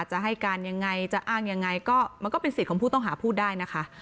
จะให้การยังไงจะอ้างยังไงก็มันก็เป็นสิทธิ์ของผู้ต้องหาพูดได้นะคะ